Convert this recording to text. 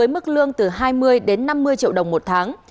với mức lương từ hai mươi đến năm mươi triệu đồng một tháng